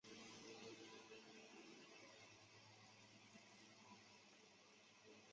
毛背云雾杜鹃为杜鹃花科杜鹃属下的一个变种。